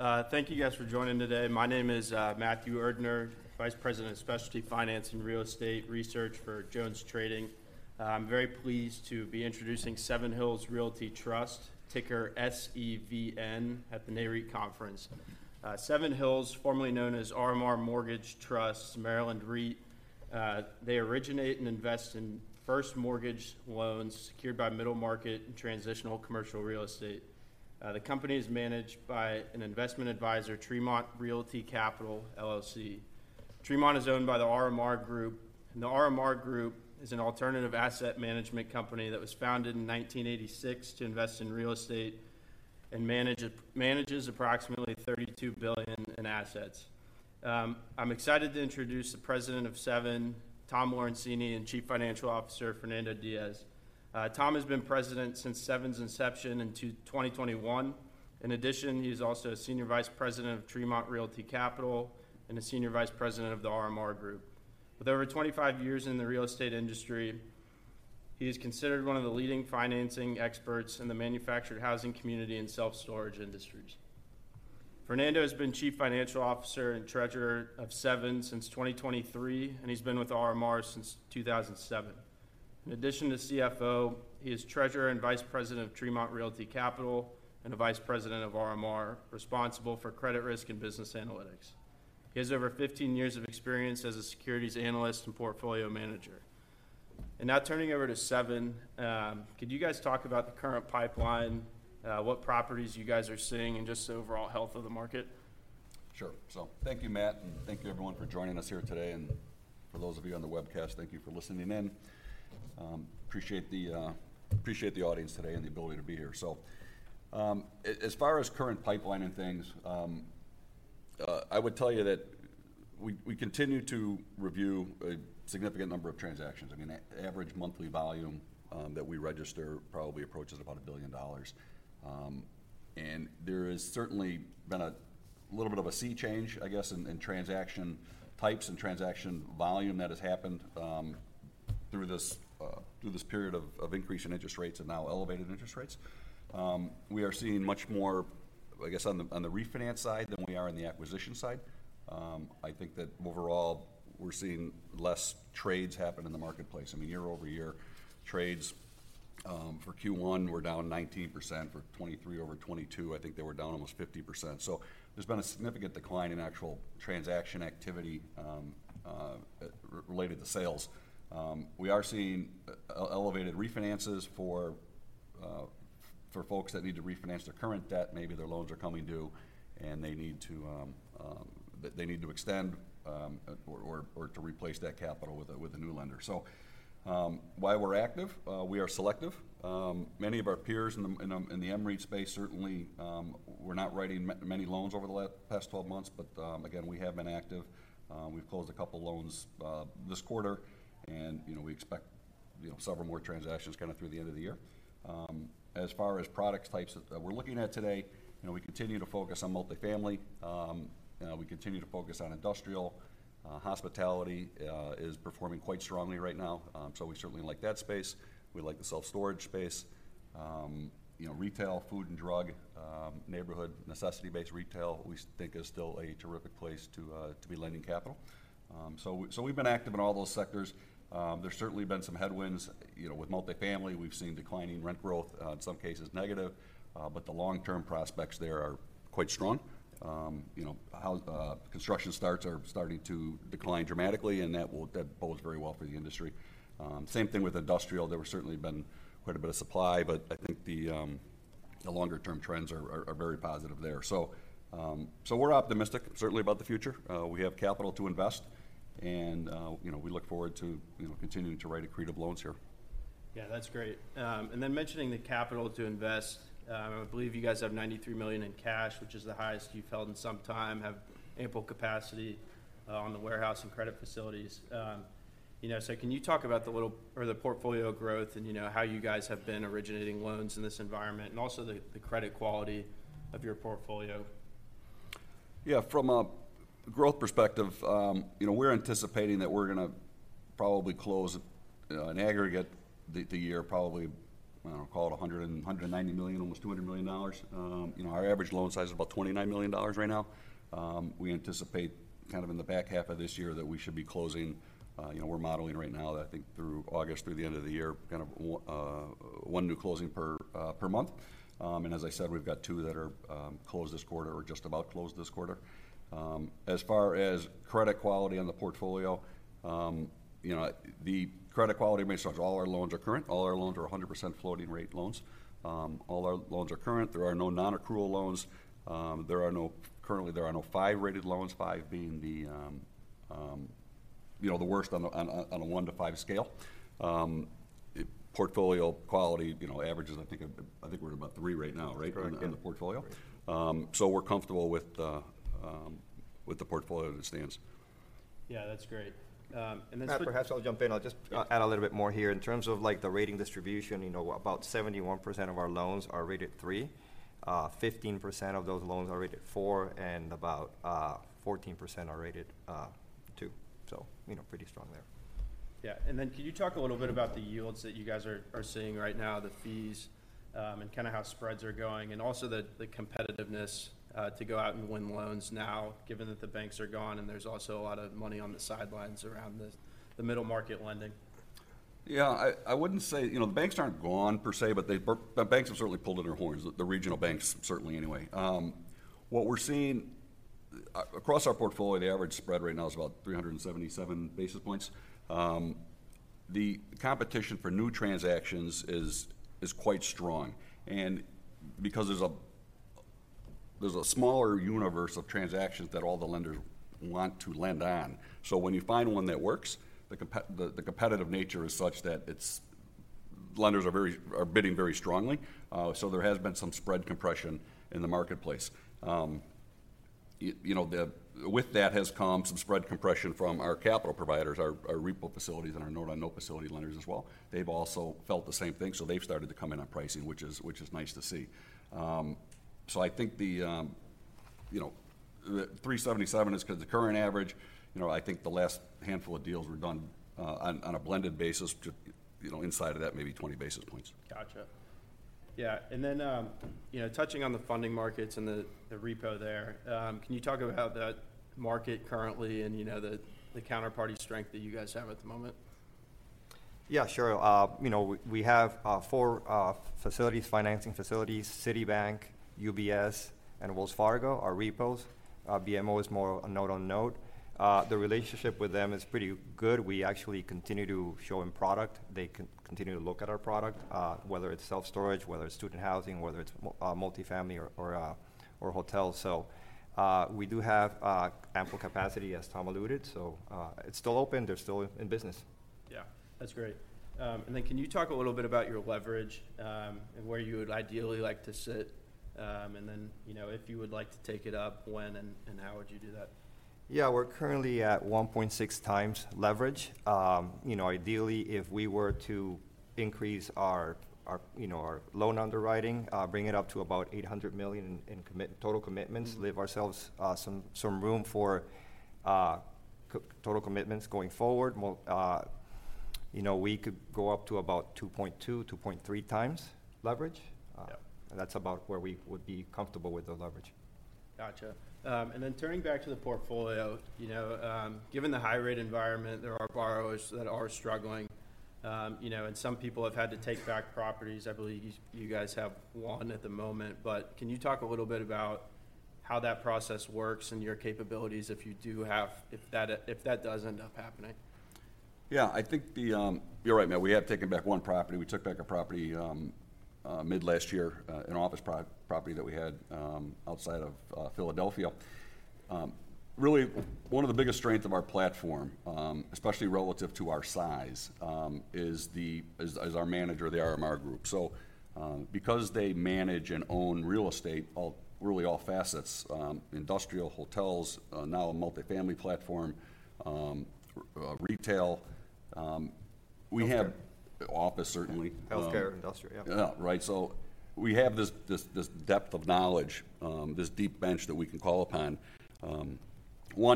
Thank you guys for joining today. My name is, Matthew Erdner, Vice President of Specialty Finance and Real Estate Research for JonesTrading. I'm very pleased to be introducing Seven Hills Realty Trust, ticker SEVN, at the NAREIT conference. Seven Hills, formerly known as RMR Mortgage Trust, Maryland REIT. They originate and invest in first mortgage loans secured by middle market and transitional commercial real estate. The company is managed by an investment advisor, Tremont Realty Capital LLC. Tremont is owned by the RMR Group, and the RMR Group is an alternative asset management company that was founded in 1986 to invest in real estate and manages approximately $32 billion in assets. I'm excited to introduce the president of Seven, Tom Lorenzini, and Chief Financial Officer, Fernando Diaz. Tom has been president since Seven's inception in 2021. In addition, he's also a Senior Vice President of Tremont Realty Capital, and a Senior Vice President of the RMR Group. With over 25 years in the real estate industry, he is considered one of the leading financing experts in the manufactured housing community and self-storage industries. Fernando has been Chief Financial Officer and Treasurer of Seven since 2023, and he's been with RMR since 2007. In addition to CFO, he is Treasurer and Vice President of Tremont Realty Capital, and a Vice President of RMR, responsible for credit risk and business analytics. He has over 15 years of experience as a securities analyst and portfolio manager. And now, turning over to Seven, could you guys talk about the current pipeline, what properties you guys are seeing, and just the overall health of the market? Sure. So thank you, Matt, and thank you everyone for joining us here today, and for those of you on the webcast, thank you for listening in. Appreciate the audience today and the ability to be here. So, as far as current pipeline and things, I would tell you that we continue to review a significant number of transactions. I mean, average monthly volume that we register probably approaches about $1 billion. And there has certainly been a little bit of a sea change, I guess, in transaction types and transaction volume that has happened through this period of increasing interest rates and now elevated interest rates. We are seeing much more, I guess, on the refinance side than we are on the acquisition side. I think that overall, we're seeing less trades happen in the marketplace. I mean, year-over-year trades for Q1 were down 19%. For 2023 over 2022, I think they were down almost 50%. So there's been a significant decline in actual transaction activity, related to sales. We are seeing elevated refinances for folks that need to refinance their current debt. Maybe their loans are coming due, and they need to... They need to extend, or, or, or to replace that capital with a new lender. So, while we're active, we are selective. Many of our peers in the mREIT space certainly were not writing many loans over the past twelve months, but, again, we have been active. We've closed a couple loans this quarter, and, you know, we expect, you know, several more transactions kind of through the end of the year. As far as product types that we're looking at today, you know, we continue to focus on multifamily. We continue to focus on industrial. Hospitality is performing quite strongly right now, so we certainly like that space. We like the self-storage space. You know, retail, food and drug, neighborhood necessity-based retail, we think is still a terrific place to be lending capital. So, so we've been active in all those sectors. There's certainly been some headwinds. You know, with multifamily, we've seen declining rent growth in some cases, negative, but the long-term prospects there are quite strong. You know, how construction starts are starting to decline dramatically, and that will, that bodes very well for the industry. Same thing with industrial. There were certainly been quite a bit of supply, but I think the longer-term trends are very positive there. So, we're optimistic, certainly about the future. We have capital to invest, and, you know, we look forward to, you know, continuing to write accretive loans here. Yeah, that's great. And then mentioning the capital to invest, I believe you guys have $93 million in cash, which is the highest you've held in some time, have ample capacity on the warehouse and credit facilities. You know, so can you talk about the portfolio growth and, you know, how you guys have been originating loans in this environment, and also the credit quality of your portfolio? Yeah. From a growth perspective, you know, we're anticipating that we're gonna probably close in aggregate for the year, probably call it $190 million, almost $200 million. You know, our average loan size is about $29 million right now. We anticipate kind of in the back half of this year that we should be closing you know, we're modeling right now, I think through August, through the end of the year, kind of one new closing per month. And as I said, we've got two that are closed this quarter or just about closed this quarter. As far as credit quality on the portfolio, you know, the credit quality remains strong. All our loans are current. All our loans are 100% floating rate loans. All our loans are current. There are no non-accrual loans. Currently, there are no five-rated loans, five being the, you know, the worst on a 1-5 scale. Portfolio quality, you know, averages, I think, I think we're at about 3 right now, right? Correct. In the portfolio. So we're comfortable with the portfolio as it stands. Yeah, that's great. And then- Matt, perhaps I'll jump in. I'll just add a little bit more here. In terms of, like, the rating distribution, you know, about 71% of our loans are rated three, 15% of those loans are rated four, and about 14% are rated two. So, you know, pretty strong there.... Yeah, and then can you talk a little bit about the yields that you guys are seeing right now, the fees, and kind of how spreads are going? And also the competitiveness to go out and win loans now, given that the banks are gone, and there's also a lot of money on the sidelines around the middle-market lending. Yeah, I wouldn't say. You know, the banks aren't gone per se, but banks have certainly pulled in their horns, the regional banks, certainly anyway. What we're seeing across our portfolio, the average spread right now is about 377 basis points. The competition for new transactions is quite strong, and because there's a smaller universe of transactions that all the lenders want to lend on. So when you find one that works, the competitive nature is such that it's... Lenders are bidding very strongly. So there has been some spread compression in the marketplace. You know, with that has come some spread compression from our capital providers, our repo facilities, and our note-on-note facility lenders as well. They've also felt the same thing, so they've started to come in on pricing, which is nice to see. So I think you know, the 377 basis points is 'cause the current average. You know, I think the last handful of deals were done on a blended basis to, you know, inside of that, maybe 20 basis points. Gotcha. Yeah, and then, you know, touching on the funding markets and the repo there, can you talk about how that market currently and, you know, the counterparty strength that you guys have at the moment? Yeah, sure. You know, we have four facilities, financing facilities. Citibank, UBS, and Wells Fargo are repos. BMO is more a note-on-note. The relationship with them is pretty good. We actually continue to show them product. They continue to look at our product, whether it's self-storage, whether it's student housing, whether it's multifamily or hotels. So, we do have ample capacity, as Tom alluded, so it's still open. They're still in business. Yeah. That's great. And then can you talk a little bit about your leverage, and where you would ideally like to sit? And then, you know, if you would like to take it up, when and how would you do that? Yeah, we're currently at 1.6x leverage. You know, ideally, if we were to increase our, you know, our loan underwriting, bring it up to about $800 million in total commitments- Mm... leave ourselves some room for total commitments going forward. You know, we could go up to about 2.2x-2.3x leverage. Yeah. That's about where we would be comfortable with the leverage. Gotcha. And then turning back to the portfolio, you know, given the high rate environment, there are borrowers that are struggling. You know, and some people have had to take back properties. I believe you, you guys have one at the moment, but can you talk a little bit about how that process works and your capabilities if you do have... if that, if that does end up happening? Yeah, I think you're right, Matt. We have taken back one property. We took back a property mid last year, an office property that we had outside of Philadelphia. Really, one of the biggest strength of our platform, especially relative to our size, is as our manager, the RMR Group. So, because they manage and own real estate, really all facets, industrial, hotels, now a multifamily platform, retail, we have- Office, certainly. Healthcare, industrial, yeah. Yeah, right. So we have this depth of knowledge, this deep bench that we can call upon,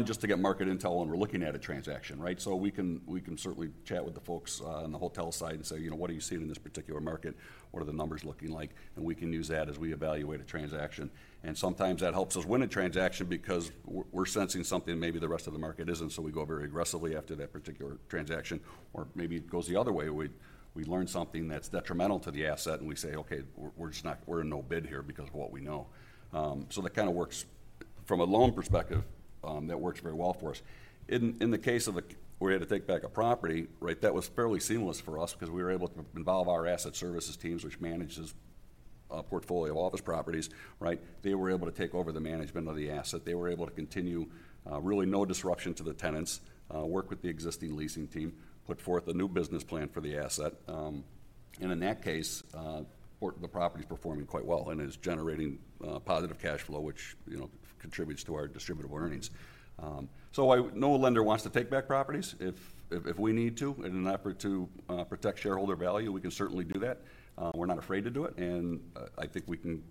just to get market intel when we're looking at a transaction, right? So we can certainly chat with the folks on the hotel side and say, you know, "What are you seeing in this particular market? What are the numbers looking like?" And we can use that as we evaluate a transaction. And sometimes that helps us win a transaction because we're sensing something maybe the rest of the market isn't, so we go very aggressively after that particular transaction, or maybe it goes the other way. We learn something that's detrimental to the asset, and we say, Okay, we're just not. We're a no-bid here because of what we know. So that kind of works, from a loan perspective, that works very well for us. In the case of the... We had to take back a property, right? That was fairly seamless for us because we were able to involve our asset services teams, which managed this portfolio of office properties, right? They were able to take over the management of the asset. They were able to continue, really no disruption to the tenants, work with the existing leasing team, put forth a new business plan for the asset. And in that case, the property is performing quite well and is generating, positive cash flow, which, you know, contributes to our distributable earnings. So, no lender wants to take back properties. If we need to, in an effort to protect shareholder value, we can certainly do that. We're not afraid to do it, and I think we can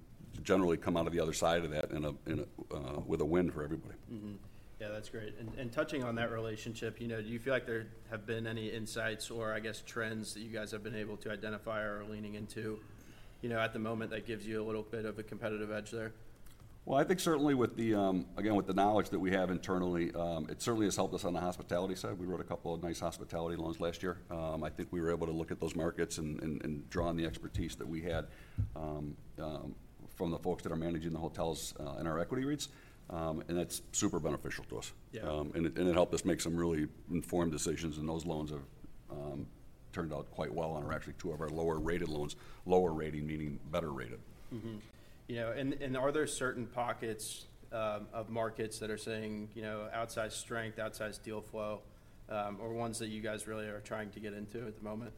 generally come out of the other side of that in a with a win for everybody. Mm-hmm. Yeah, that's great. And touching on that relationship, you know, do you feel like there have been any insights or, I guess, trends that you guys have been able to identify or are leaning into, you know, at the moment that gives you a little bit of a competitive edge there? Well, I think certainly with the, again, with the knowledge that we have internally, it certainly has helped us on the hospitality side. We wrote a couple of nice hospitality loans last year. I think we were able to look at those markets and draw on the expertise that we had, from the folks that are managing the hotels, in our equity REITs, and that's super beneficial to us. Yeah. And it helped us make some really informed decisions, and those loans have turned out quite well and are actually two of our lower-rated loans. Lower rating, meaning better rated. Mm-hmm. You know, are there certain pockets of markets that are seeing, you know, outsized strength, outsized deal flow, or ones that you guys really are trying to get into at the moment?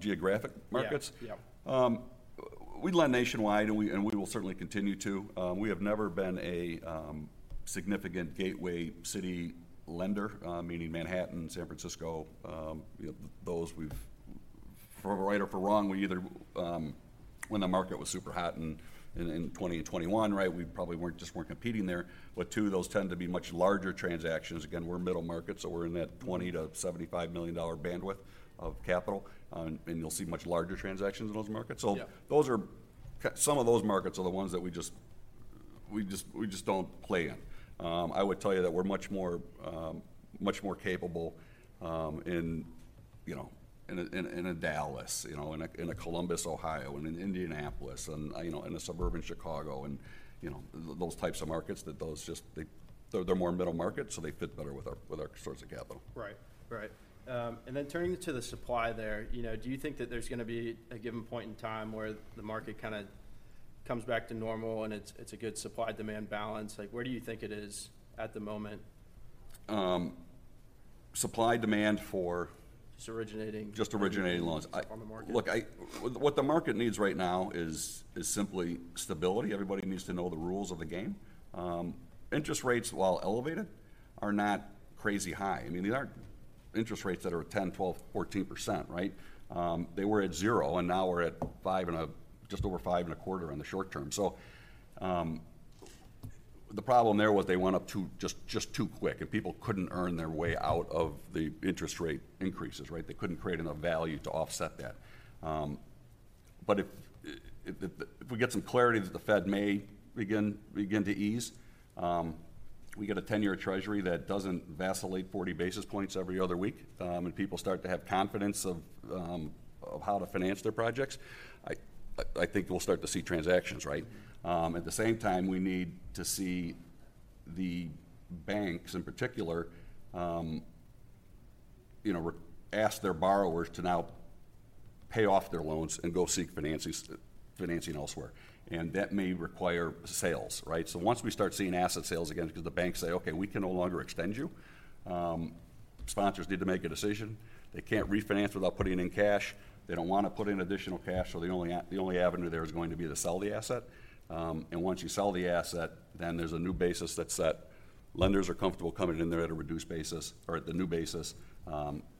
Geographic markets? Yeah, yeah. We lend nationwide, and we will certainly continue to. We have never been a significant Gateway City lender, meaning Manhattan, San Francisco, you know, those—for right or for wrong, we either, when the market was super hot in 2020 and 2021, right, we probably weren't just more competing there. But too, those tend to be much larger transactions. Again, we're middle market, so we're in that $20 million-$75 million bandwidth of capital. And you'll see much larger transactions in those markets. Yeah. So those are some of those markets are the ones that we just don't play in. I would tell you that we're much more capable in, you know, in a Dallas, you know, in a Columbus, Ohio, and in Indianapolis and, you know, in a suburban Chicago and, you know, those types of markets that those just they're more middle market, so they fit better with our source of capital. Right. Right. And then turning to the supply there, you know, do you think that there's gonna be a given point in time where the market kinda comes back to normal, and it's, it's a good supply-demand balance? Like, where do you think it is at the moment? Supply-demand for...? Just originating. Just originating loans. Up on the market. Look, what the market needs right now is simply stability. Everybody needs to know the rules of the game. Interest rates, while elevated, are not crazy high. I mean, these aren't interest rates that are 10%, 12%, 14%, right? They were at 0%, and now we're at just over 5.25% on the short term. So, the problem there was they went up just too quick, and people couldn't earn their way out of the interest rate increases, right? They couldn't create enough value to offset that. But if we get some clarity that the Fed may begin to ease, we get a 10-Year Treasury that doesn't vacillate 40 basis points every other week, and people start to have confidence of how to finance their projects, I think we'll start to see transactions, right? At the same time, we need to see the banks, in particular, you know, ask their borrowers to now pay off their loans and go seek financing elsewhere. That may require sales, right? So once we start seeing asset sales again, 'cause the banks say, Okay, we can no longer extend you, sponsors need to make a decision. They can't refinance without putting in cash. They don't wanna put in additional cash, so the only avenue there is going to be to sell the asset. And once you sell the asset, then there's a new basis that's set. Lenders are comfortable coming in there at a reduced basis or at the new basis.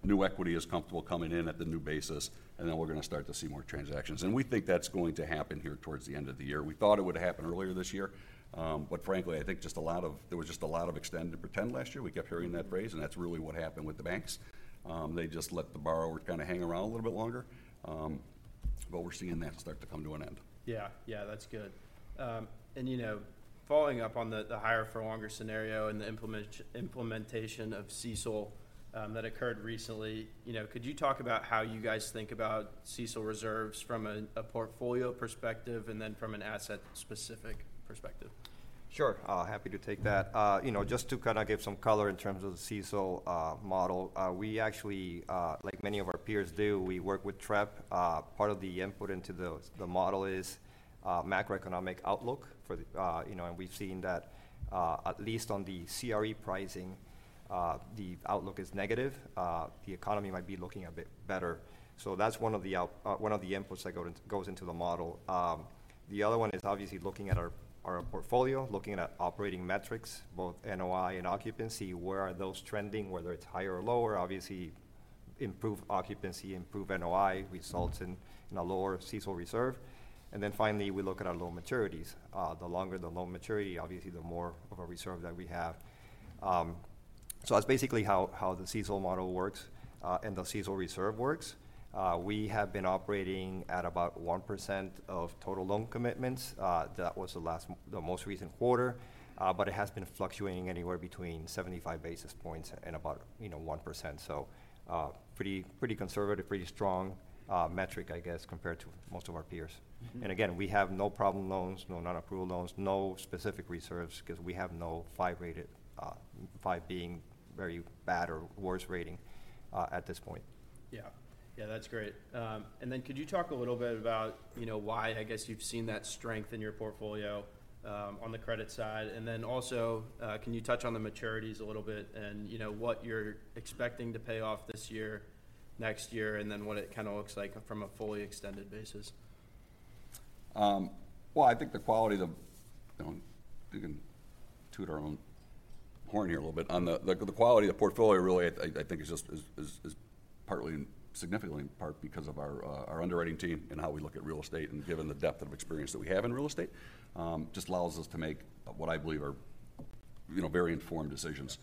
New equity is comfortable coming in at the new basis, and then we're gonna start to see more transactions. And we think that's going to happen here towards the end of the year. We thought it would happen earlier this year, but frankly, I think just a lot of... there was just a lot of extend and pretend last year. We kept hearing that phrase, and that's really what happened with the banks. They just let the borrowers kinda hang around a little bit longer. But we're seeing that start to come to an end. Yeah. Yeah, that's good. And, you know, following up on the higher for longer scenario and the implementation of CECL that occurred recently, you know, could you talk about how you guys think about CECL reserves from a portfolio perspective and then from an asset-specific perspective? Sure. Happy to take that. You know, just to kinda give some color in terms of the CECL model, we actually, like many of our peers, work with Trepp. Part of the input into the model is macroeconomic outlook for the... You know, and we've seen that, at least on the CRE pricing, the outlook is negative. The economy might be looking a bit better. So that's one of the inputs that goes into the model. The other one is obviously looking at our portfolio, looking at operating metrics, both NOI and occupancy. Where are those trending, whether it's higher or lower? Obviously, improved occupancy, improved NOI, results in a lower CECL reserve. And then finally, we look at our loan maturities. The longer the loan maturity, obviously, the more of a reserve that we have. So that's basically how the CECL model works, and the CECL reserve works. We have been operating at about 1% of total loan commitments. That was the last, the most recent quarter, but it has been fluctuating anywhere between 75 basis points and about, you know, 1%. So, pretty, pretty conservative, pretty strong metric, I guess, compared to most of our peers. Mm-hmm. And again, we have no problem loans, no non-accrual loans, no specific reserves 'cause we have no five-rated, five being very bad or worse rating, at this point. Yeah. Yeah, that's great. And then could you talk a little bit about, you know, why, I guess, you've seen that strength in your portfolio, on the credit side? And then also, can you touch on the maturities a little bit and, you know, what you're expecting to pay off this year, next year, and then what it kinda looks like from a fully extended basis? Well, I think the quality of... You know, we can toot our own horn here a little bit. On the quality of the portfolio really, I think, is just partly, significantly in part because of our underwriting team and how we look at real estate and given the depth of experience that we have in real estate, just allows us to make what I believe are, you know, very informed decisions.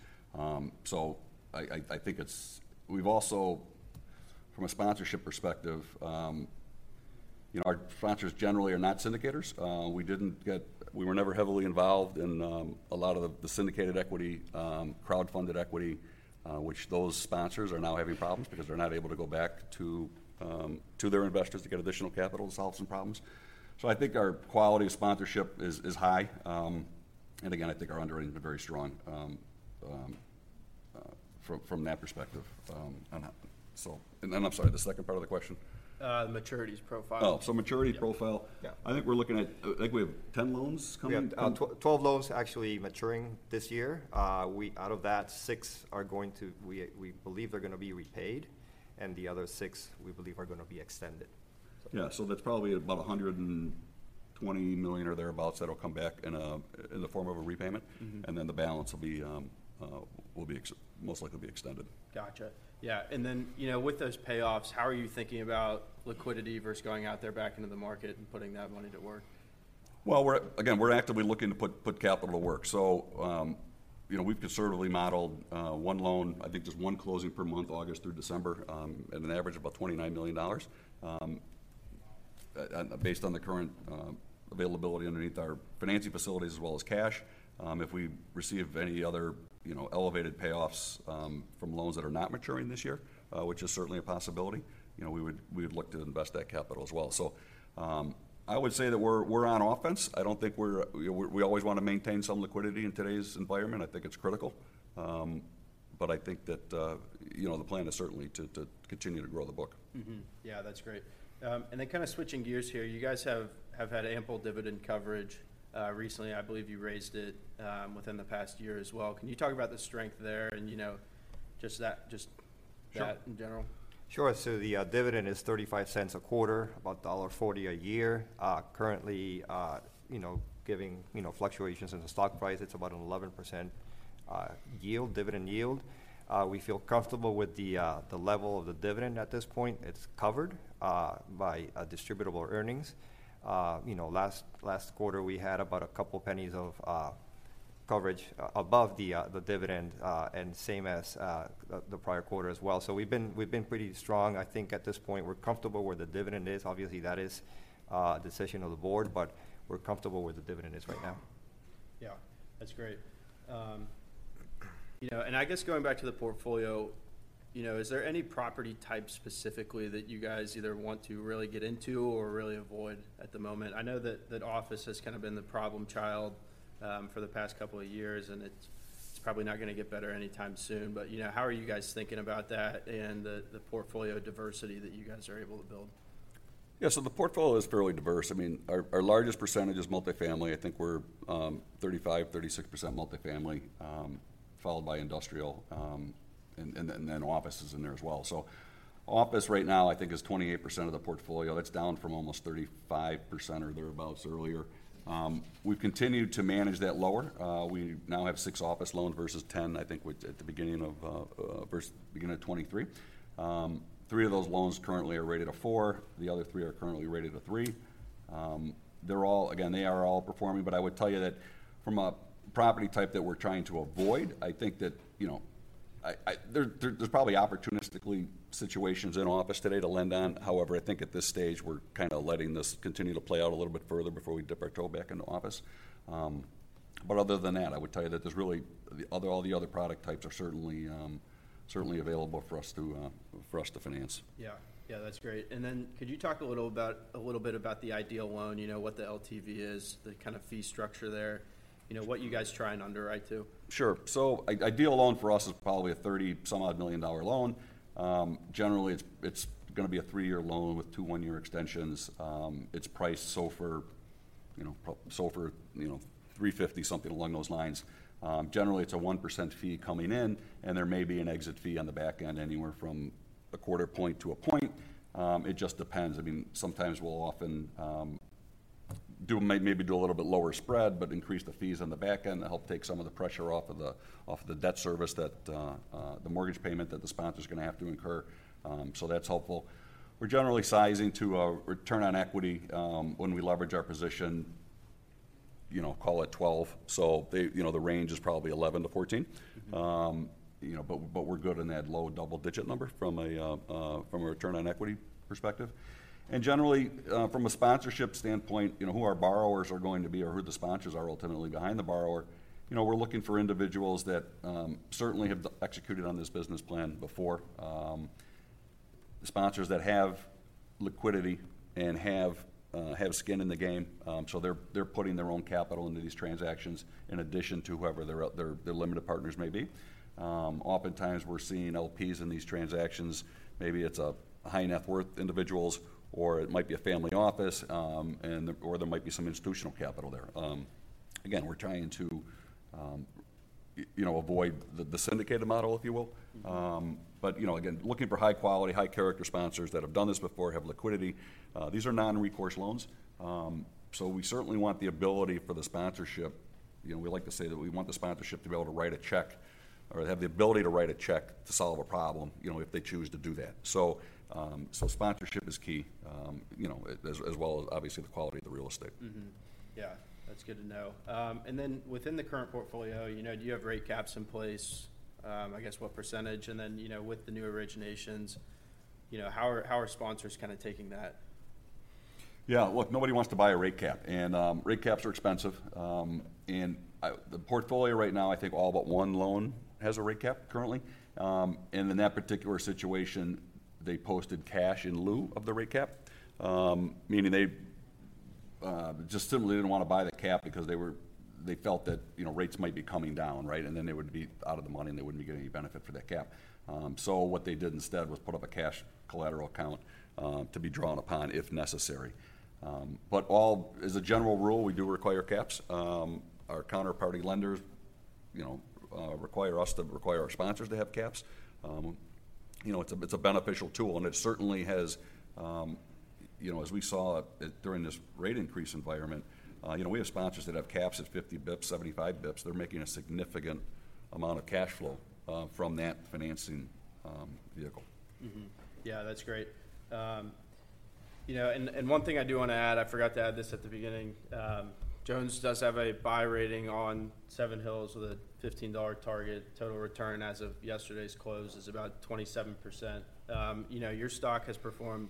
So I think it's... We've also, from a sponsorship perspective, you know, our sponsors generally are not syndicators. We were never heavily involved in a lot of the syndicated equity, crowdfunded equity, which those sponsors are now having problems because they're not able to go back to their investors to get additional capital to solve some problems. So I think our quality of sponsorship is high. And again, I think our underwriting has been very strong from that perspective. And I'm sorry, the second part of the question? The maturities profile. Oh, so maturity profile. Yeah. I think we're looking at, I think we have 10 loans coming? Yeah, 12 loans actually maturing this year. Out of that, six are going to... We believe they're gonna be repaid, and the other six, we believe, are gonna be extended. Yeah, so that's probably about $120 million or thereabouts that'll come back in the form of a repayment. Mm-hmm. And then the balance will most likely be extended. Gotcha. Yeah, and then, you know, with those payoffs, how are you thinking about liquidity versus going out there back into the market and putting that money to work? Well, we're again, we're actively looking to put capital to work. So, you know, we've conservatively modeled one loan, I think just one closing per month, August through December, at an average of about $29 million. And based on the current availability underneath our financing facilities as well as cash, if we receive any other, you know, elevated payoffs from loans that are not maturing this year, which is certainly a possibility, you know, we would look to invest that capital as well. So, I would say that we're on offense. I don't think we're. We always want to maintain some liquidity in today's environment. I think it's critical. But I think that, you know, the plan is certainly to continue to grow the book. Mm-hmm. Yeah, that's great. And then kind of switching gears here, you guys have had ample dividend coverage recently. I believe you raised it within the past year as well. Can you talk about the strength there and, you know, just that, just that- Sure. -in general? Sure. So the dividend is $0.35 a quarter, about $1.40 a year. Currently, you know, giving, you know, fluctuations in the stock price, it's about an 11%, yield, dividend yield. We feel comfortable with the level of the dividend at this point. It's covered by distributable earnings. You know, last quarter, we had about a couple pennies of coverage above the dividend, and same as the prior quarter as well. So we've been, we've been pretty strong. I think at this point, we're comfortable where the dividend is. Obviously, that is a decision of the board, but we're comfortable where the dividend is right now. Yeah, that's great. You know, and I guess going back to the portfolio, you know, is there any property type specifically that you guys either want to really get into or really avoid at the moment? I know that that office has kind of been the problem child for the past couple of years, and it's probably not gonna get better anytime soon. But, you know, how are you guys thinking about that and the portfolio diversity that you guys are able to build? Yeah. So the portfolio is fairly diverse. I mean, our largest percentage is multifamily. I think we're 35%-36% multifamily, followed by industrial, and then office is in there as well. So office right now, I think, is 28% of the portfolio. That's down from almost 35% or thereabouts earlier. We've continued to manage that lower. We now have six office loans versus 10 at the beginning of 2023. 3 of those loans currently are rated a four, the other three are currently rated a three. They're all again, they are all performing, but I would tell you that from a property type that we're trying to avoid, I think that, you know, there, there's probably opportunistic situations in office today to lend on. However, I think at this stage, we're kind of letting this continue to play out a little bit further before we dip our toe back into office. But other than that, I would tell you that there's really all the other product types are certainly available for us to finance. Yeah. Yeah, that's great. And then could you talk a little bit about the ideal loan, you know, what the LTV is, the kind of fee structure there, you know, what you guys try and underwrite to? Sure. So ideal loan for us is probably a $30-some-odd million loan. Generally, it's gonna be a 3-year loan with two one-year extensions. It's priced, you know, SOFR 350, something along those lines. Generally, it's a 1% fee coming in, and there may be an exit fee on the back end, anywhere from 0.25 point to 1 point. It just depends. I mean, sometimes we'll often do maybe a little bit lower spread, but increase the fees on the back end to help take some of the pressure off of the debt service that the mortgage payment that the sponsor's gonna have to incur. So that's helpful. We're generally sizing to a return on equity when we leverage our position, you know, call it 12. You know, the range is probably 11-14. Mm-hmm. You know, but we're good in that low double-digit number from a, from a return on equity perspective. And generally, from a sponsorship standpoint, you know, who our borrowers are going to be or who the sponsors are ultimately behind the borrower, you know, we're looking for individuals that certainly have executed on this business plan before. Sponsors that have liquidity and have skin in the game, so they're putting their own capital into these transactions in addition to whoever their, their limited partners may be. Oftentimes, we're seeing LPs in these transactions. Maybe it's high-net-worth individuals, or it might be a family office, and or there might be some institutional capital there. Again, we're trying to, you know, avoid the syndicated model, if you will. Mm-hmm. But, you know, again, looking for high quality, high character sponsors that have done this before, have liquidity. These are non-recourse loans, so we certainly want the ability for the sponsorship... You know, we like to say that we want the sponsorship to be able to write a check or have the ability to write a check to solve a problem, you know, if they choose to do that. So, so sponsorship is key, you know, as, as well as obviously the quality of the real estate. Mm-hmm. Yeah, that's good to know. And then within the current portfolio, you know, do you have rate caps in place? I guess, what percentage, and then, you know, with the new originations, you know, how are sponsors kind of taking that? Yeah, look, nobody wants to buy a rate cap, and, rate caps are expensive. The portfolio right now, I think all but one loan has a rate cap currently. In that particular situation, they posted cash in lieu of the rate cap, meaning they, just simply didn't want to buy the cap because they were-- they felt that, you know, rates might be coming down, right? And then they would be out of the money, and they wouldn't be getting any benefit for that cap. So what they did instead was put up a cash collateral account, to be drawn upon if necessary. But, as a general rule, we do require caps. Our counterparty lenders, you know, require us to require our sponsors to have caps. You know, it's a beneficial tool, and it certainly has, you know, as we saw it during this rate increase environment, you know, we have sponsors that have caps at 50 basis points, 75 basis points. They're making a significant amount of cash flow from that financing vehicle. Mm-hmm. Yeah, that's great. You know, and one thing I do want to add, I forgot to add this at the beginning. Jones does have a buy rating on Seven Hills with a $15 target. Total return as of yesterday's close is about 27%. You know, your stock has performed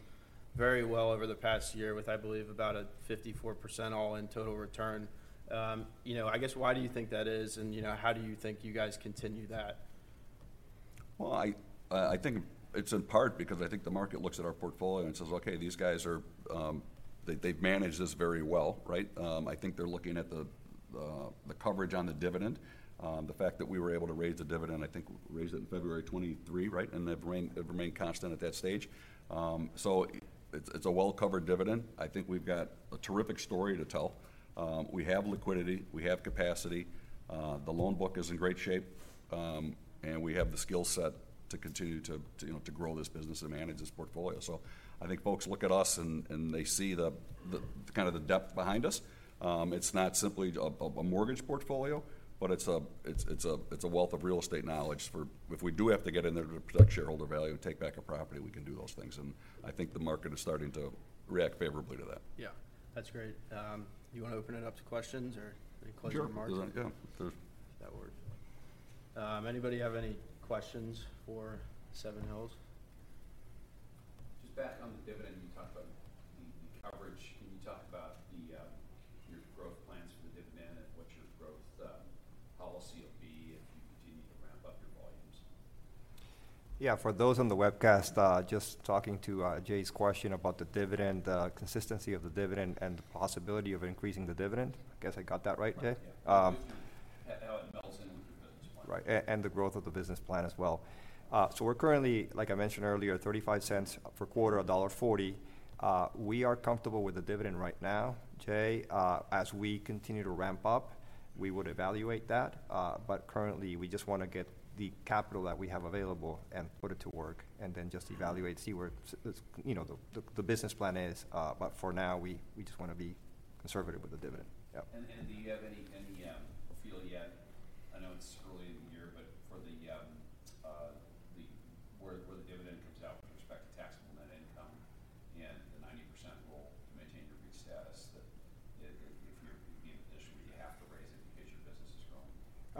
very well over the past year with, I believe, about a 54% all-in total return. You know, I guess why do you think that is, and, you know, how do you think you guys continue that? Well, I think it's in part because I think the market looks at our portfolio and says, Okay, these guys are-- they've managed this very well, right? I think they're looking at the coverage on the dividend. The fact that we were able to raise the dividend, I think we raised it in February 2023, right? And it remained constant at that stage. So it's a well-covered dividend. I think we've got a terrific story to tell. We have liquidity, we have capacity, the loan book is in great shape, and we have the skill set to continue to, you know, to grow this business and manage this portfolio. So I think folks look at us and they see the kind of the depth behind us. It's not simply a mortgage portfolio, but it's a wealth of real estate knowledge for—if we do have to get in there to protect shareholder value and take back a property, we can do those things, and I think the market is starting to react favorably to that. Yeah, that's great. You want to open it up to questions or any closing remarks? Sure. Yeah. If there's-That works. Anybody have any questions for Seven Hills? Just back on the dividend, you talked about the coverage. Can you talk about your growth plans for the dividend and what your growth policy will be if you continue to ramp up your volumes? Yeah, for those on the webcast, just talking to Jay's question about the dividend, consistency of the dividend and the possibility of increasing the dividend. I guess I got that right, Jay? Right. And the growth of the business plan as well. So we're currently, like I mentioned earlier, $0.35 per quarter, $1.40. We are comfortable with the dividend right now, Jay. As we continue to ramp up, we would evaluate that, but currently, we just wanna get the capital that we have available and put it to work and then just evaluate, see where the business plan is. You know, but for now, we just wanna be conservative with the dividend. Yep. And do you have any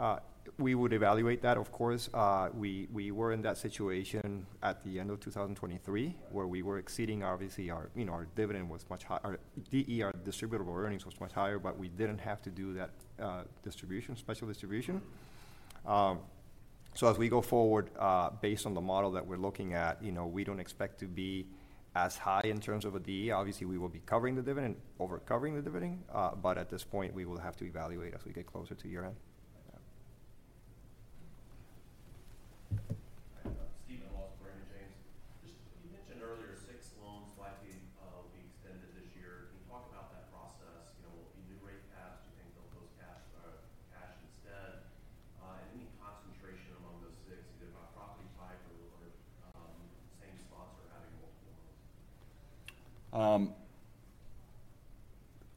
feel yet—I know it's early in the year, but for where the dividend comes out with respect to taxable net income and the 90% rule to maintain your REIT status, that if you're in a position where you have to raise it because your business is growing? We would evaluate that, of course. We were in that situation at the end of 2023 where we were exceeding, obviously, our, you know, our DE, our distributable earnings was much higher, but we didn't have to do that distribution, special distribution. So as we go forward, based on the model that we're looking at, you know, we don't expect to be as high in terms of a DE. Obviously, we will be covering the dividend, over covering the dividend, but at this point, we will have to evaluate as we get closer to year-end. Yeah. Hi, Steven Wallace, Raymond James. Just, you mentioned earlier six loans likely will be extended this year.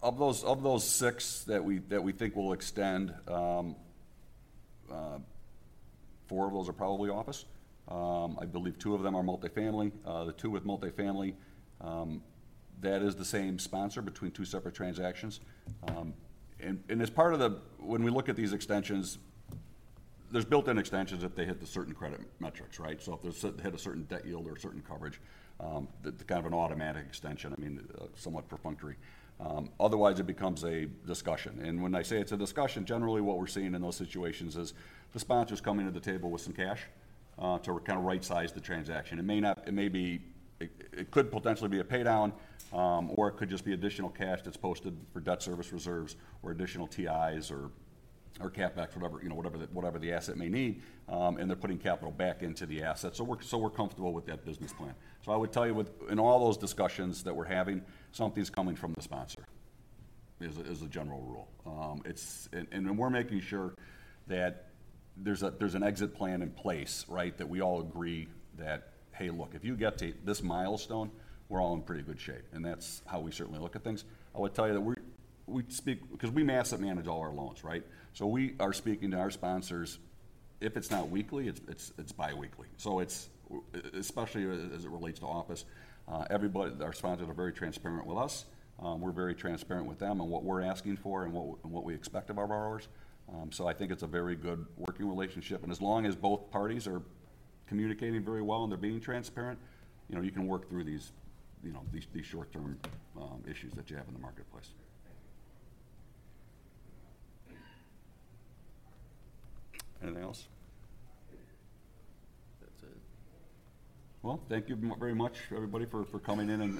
Can you talk about that process? You know, will you renew rate caps? Do you think they'll lose cash, cash instead? Any concentration among those six, either by property type or same sponsors are having multiple loans? Of those six that we think will extend, four of those are probably office. I believe two of them are multifamily. The two with multifamily, that is the same sponsor between two separate transactions. And as part of the - when we look at these extensions, there's built-in extensions if they hit the certain credit metrics, right? So if they hit a certain debt yield or a certain coverage, that's kind of an automatic extension, I mean, somewhat perfunctory. Otherwise, it becomes a discussion, and when I say it's a discussion, generally what we're seeing in those situations is the sponsors coming to the table with some cash to kind of rightsize the transaction. It may not - it may be... It could potentially be a paydown, or it could just be additional cash that's posted for debt service reserves or additional TIs or CapEx, whatever, you know, whatever the asset may need, and they're putting capital back into the asset. So we're comfortable with that business plan. So I would tell you within all those discussions that we're having, something's coming from the sponsor, as a general rule. And we're making sure that there's an exit plan in place, right? That we all agree that, Hey, look, if you get to this milestone, we're all in pretty good shape. And that's how we certainly look at things. I would tell you that we speak 'cause we asset manage all our loans, right? So we are speaking to our sponsors if it's not weekly, it's bi-weekly. So it's especially as it relates to office, everybody, our sponsors are very transparent with us. We're very transparent with them on what we're asking for and what we expect of our borrowers. So I think it's a very good working relationship, and as long as both parties are communicating very well and they're being transparent, you know, you can work through these, you know, these short-term issues that you have in the marketplace. Thank you. Anything else? That's it. Well, thank you very much, everybody, for coming in and-